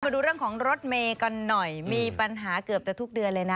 มาดูเรื่องของรถเมย์กันหน่อยมีปัญหาเกือบจะทุกเดือนเลยนะ